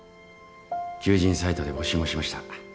求人サイトで募集もしました。